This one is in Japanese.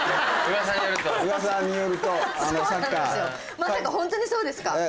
まさかホントにそうですか？